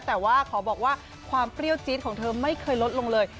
แต่ว่าขอบอกว่าความเปรี้ยวจี๊ดของเธอไม่เคยลดลงเลย